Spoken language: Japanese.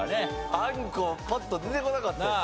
「あんこ」パッと出てこなかったです。